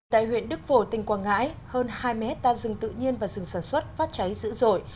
tại huyện đức phổ tỉnh quảng ngãi hơn hai mươi hectare rừng tự nhiên và rừng sản xuất phát cháy dữ dội